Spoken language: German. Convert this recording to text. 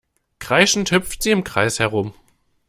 Kreischend hüpft sie im Kreis herum.